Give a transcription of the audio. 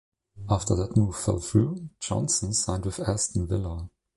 After that move fell through, Johnsen signed with Aston Villa.